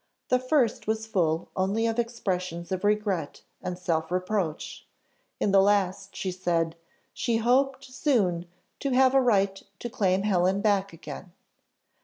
The first was full only of expressions of regret, and self reproach; in the last, she said, she hoped soon to have a right to claim Helen back again.